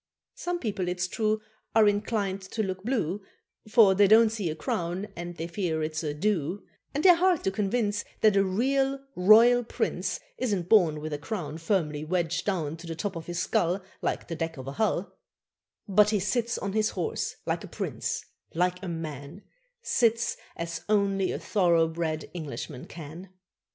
Some people, it's true, Are inclined to look blue, For they don't see a crown, and they fear it's a "do;" And they're hard to convince That a real royal prince Isn't born with a crown Firmly wedged down To the top of his skull, Like the deck of a hull; But he sits on his horse like a prince, like a man, Sits as only a thoroughbred Englishman can.